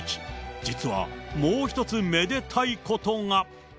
実はもう一つめでたいことが。